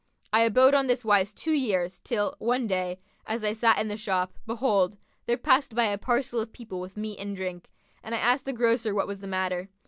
I abode on this wise two years till, one day, as I sat in the shop, behold, there passed by a parcel of people with meat and drink, and I asked the grocer what was the matter.